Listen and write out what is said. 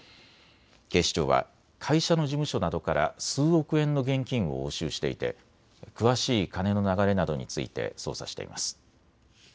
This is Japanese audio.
警視庁は会社の事務所などから数億円の現金を押収していて詳しい金の流れなどについて捜査しています。